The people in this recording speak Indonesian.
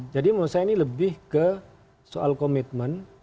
menurut saya ini lebih ke soal komitmen